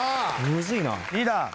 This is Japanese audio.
リーダー。